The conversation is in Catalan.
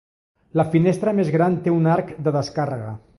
La finestra més gran té un arc de descàrrega.